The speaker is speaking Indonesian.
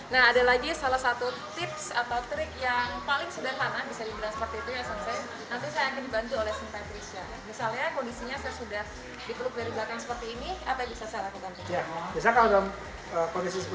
nah ada lagi salah satu tips atau trik yang paling sederhana bisa dibilang seperti itu ya sensei